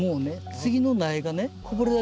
次の苗がね